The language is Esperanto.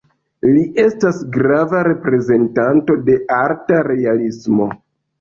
Li estas grava reprezentanto de arta realismo.